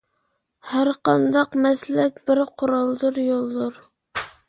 ھەرقانداق مەسلەك بىر قورالدۇر، يولدۇر.